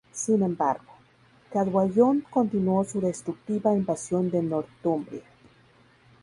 Sin embargo, Cadwallon continuó su destructiva invasión de Northumbria.